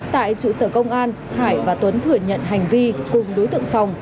tại trụ sở công an hải và tuấn thừa nhận hành vi cùng đối tượng phòng